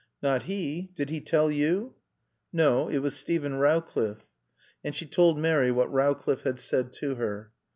"Not he. Did he tell you?" "No. It was Steven Rowcliffe." And she told Mary what Rowcliffe had said to her.